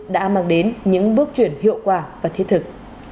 đã mang đến những bước chuyển hiệu quả và thiết thực